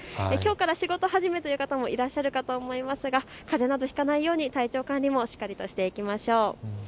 きょうから仕事始めという方もいらっしゃるかと思いますがかぜなどひかないように体調管理もしっかりとしていきましょう。